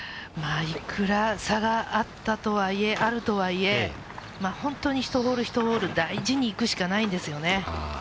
いくら差があったとはいえ、あるとはいえ、本当に比とホール、１ホール、１ホール大事にいくしかないですよね。